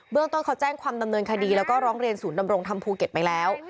เรื่องต้นเขาแจ้งความดำเนินคดีแล้วก็ร้องเรียนศูนย์ดำรงธรรมภูเก็ตไปแล้ว